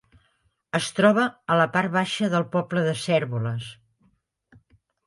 Es troba a la part baixa del poble de Cérvoles.